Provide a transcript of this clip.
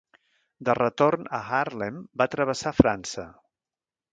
De retorn a Haarlem va travessar França.